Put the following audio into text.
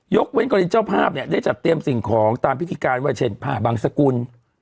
เว้นกรณีเจ้าภาพเนี่ยได้จัดเตรียมสิ่งของตามพิธีการว่าเช่นผ้าบังสกุล